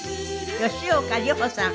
吉岡里帆さん